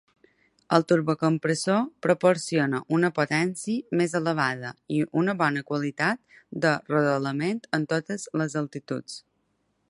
El turbocompressor proporciona una potència més elevada i una bona qualitat de rodolament en totes les altituds.